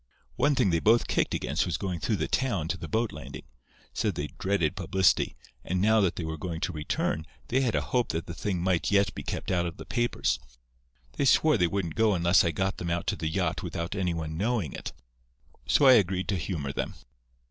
"One thing they both kicked against was going through the town to the boat landing. Said they dreaded publicity, and now that they were going to return, they had a hope that the thing might yet be kept out of the papers. They swore they wouldn't go unless I got them out to the yacht without any one knowing it, so I agreed to humour them.